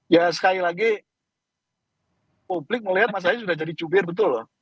ya sekali lagi publik melihat mas ahaye sudah jadi jubir betul loh